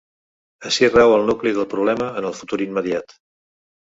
Ací rau el nucli del problema en el futur immediat.